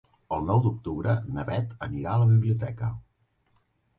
El nou d'octubre na Bet anirà a la biblioteca.